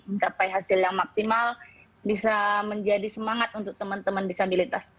mencapai hasil yang maksimal bisa menjadi semangat untuk teman teman disabilitas